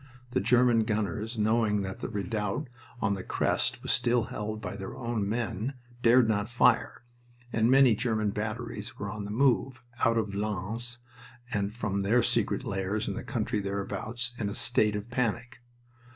The German gunners, knowing that the redoubt on the crest was still held by their men, dared not fire; and many German batteries were on the move, out of Lens and from their secret lairs in the country thereabouts, in a state of panic.